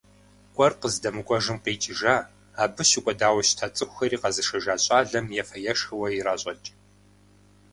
КӀуэр къыздэмыкӀуэжым къикӀыжа, абы щыкӀуэдауэ щыта цӀыхухэри къэзышэжа щӀалэм ефэ-ешхэшхуэ иращӀэкӀ.